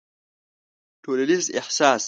ټولنيز احساس